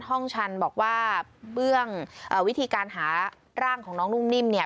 ห้องชันบอกว่าเบื้องวิธีการหาร่างของน้องนุ่มนิ่มเนี่ย